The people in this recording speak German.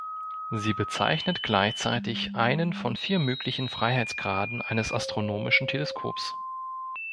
Sie bezeichnet gleichzeitig einen von vier möglichen Freiheitsgraden eines astronomischen Teleskops.